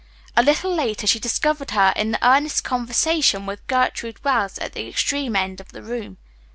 A little later she discovered her in earnest conversation with Gertrude Wells at the extreme end of the room.